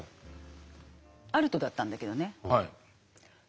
アルトだったんだけどね。